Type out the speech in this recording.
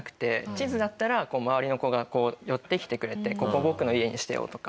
地図だったら周りの子がこう寄ってきてくれて「ここ僕の家にしてよ」とか。